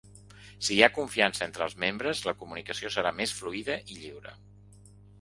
Si hi ha confiança entre els membres, la comunicació serà més fluida i lliure.